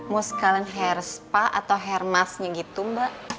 mau sekalian hair spa atau hair masknya gitu mbak